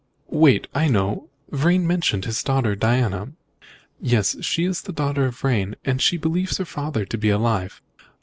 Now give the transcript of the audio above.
"Wait! I know! Vrain mentioned his daughter Diana." "Yes, she is the daughter of Vrain, and she believes her father to be alive."